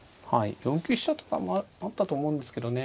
４九飛車とかもあったと思うんですけどね。